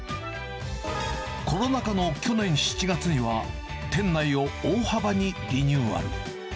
コロナ禍の去年７月には、店内を大幅にリニューアル。